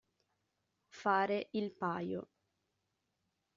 Fare il paio.